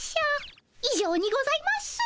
いじょうにございます。